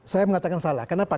saya mengatakan salah kenapa